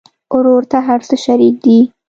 ورور ته هر څه شريک دي.